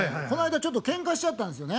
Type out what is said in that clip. ちょっとけんかしちゃったんですよね。